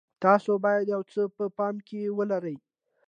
تاسو باید یو څه په پام کې ولرئ.